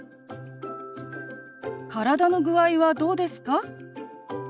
「体の具合はどうですか？」。